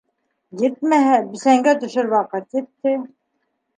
Етмәһә, бесәнгә төшөр ваҡыт етте.